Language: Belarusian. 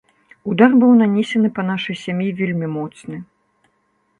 Удар быў нанесены па нашай сям'і вельмі моцны.